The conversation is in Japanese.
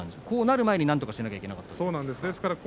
こうなる前になんとかしなくちゃいけなかったですか。